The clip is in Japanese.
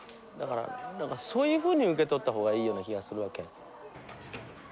そういうふうに受け取った方がいいような気がするわけ。